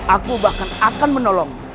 aku bahkan akan menolongmu